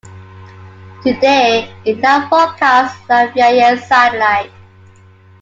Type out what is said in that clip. Today it now broadcasts live via satellite.